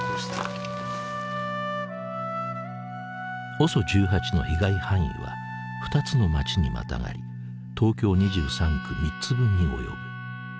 ＯＳＯ１８の被害範囲は２つの町にまたがり東京２３区３つ分に及ぶ。